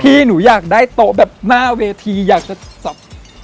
หนูอยากได้โต๊ะแบบหน้าเวทีอยากจะจับ